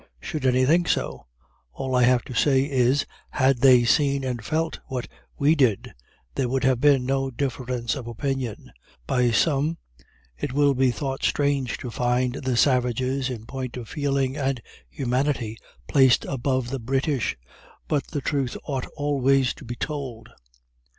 Should any think so, all I have to say is, had they seen and felt what we did there would have been no difference of opinion. By some it will be thought strange to find the savages, in point of feeling and humanity, placed above the British but the truth ought always to be told.